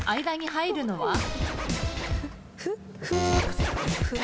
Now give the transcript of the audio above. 間に入るのは？